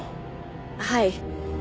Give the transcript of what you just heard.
はい。